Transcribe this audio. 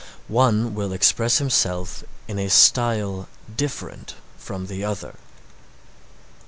One will express himself in a style different from the other.